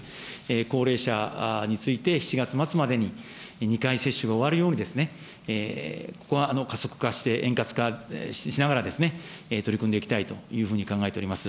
高齢者について、７月末までに２回接種が終わるように、ここは加速化して、円滑化しながら、取り組んでいきたいというふうに考えております。